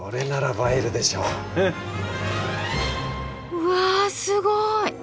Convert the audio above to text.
うわすごい！